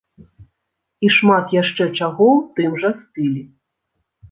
І шмат яшчэ чаго ў тым жа стылі.